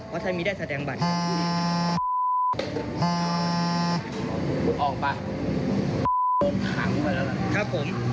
ลูกออกค่ะกลับ